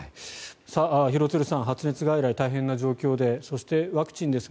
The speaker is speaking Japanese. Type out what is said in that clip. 廣津留さん発熱外来、大変な状況でそして、ワクチンです。